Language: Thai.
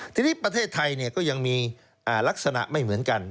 ทีนี้ประเทศไทยก็ยังมีลักษณะไม่เหมือนกัน